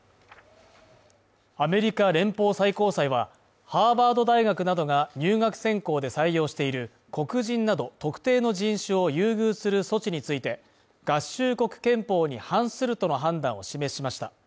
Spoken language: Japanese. アメリカ連邦最高裁は、ハーバード大学などが入学選考で採用している黒人など特定の人種を優遇する措置について合衆国憲法に反するとの判断を示しました。